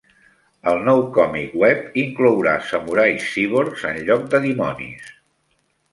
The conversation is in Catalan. El nou còmic web inclourà samurais cíborgs en lloc de dimonis.